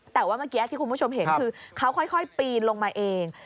แต่ว่าเมื่อกี้ที่คุณผู้ชมเห็นคือเขาค่อยปีนลงมาเอง